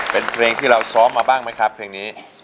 เป็นเพลงที่เราซ้อมมาบ้างไหมครับเพลงนี้